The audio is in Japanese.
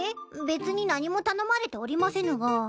別に何も頼まれておりませぬが。